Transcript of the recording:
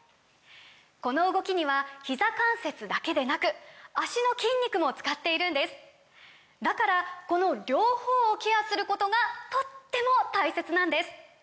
この動きにはひざ関節だけでなく脚の筋肉も使っているんですだからこの両方をケアすることがとっても大切なんです！